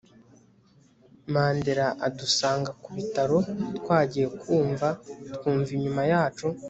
Mandela adusanga kubitaro twagiye kumva twumva inyuma yacu